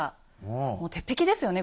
もう鉄壁ですよね